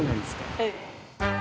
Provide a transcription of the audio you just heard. はい。